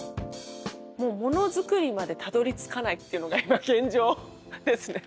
モノづくりまでたどりつかないっていうのが今現状ですね